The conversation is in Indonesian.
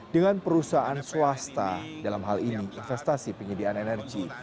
dengan perusahaan swasta dalam hal ini investasi penyediaan energi